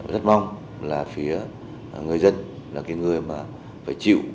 rất mong là phía người dân là cái người mà phải chịu